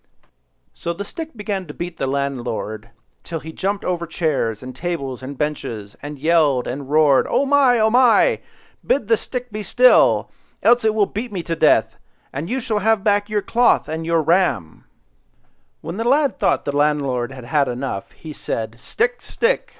So the stick began to beat the landlord till he jumped over chairs, and tables, and benches, and yelled and roared,— "Oh my! oh my! bid the stick be still, else it will beat me to death, and you shall have back your cloth and your ram, When the lad thought the landlord had got enough, he said— "Stick, stick!